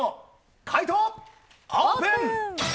解答、オープン。